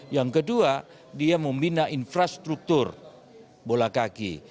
yang kedua dia membina infrastruktur bola kaki